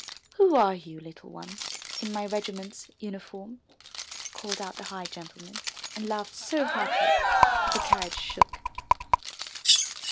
*'Who are you, little one, in my regiment's uniform?'' called out the high gentleman and laughed so heartily that the carriage shook.